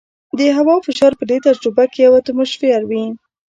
د هوا فشار په دې تجربه کې یو اټموسفیر وي.